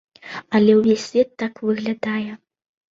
Але ўвесь свет так выглядае.